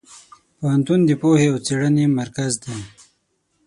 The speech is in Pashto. پوهنتون د پوهې او څېړنې مرکز دی.